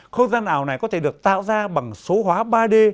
không gian ảo này có thể được tạo ra bằng số hóa ba d